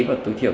và tối thiểu